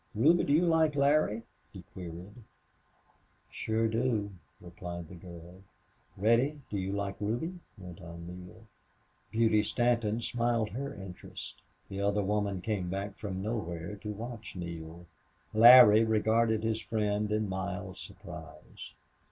"Ruby, do you like Larry?" he queried. "Sure do," replied the girl. "Reddy, do you like Ruby?" went on Neale. Beauty Stanton smiled her interest. The other woman came back from nowhere to watch Neale. Larry regarded his friend in mild surprise.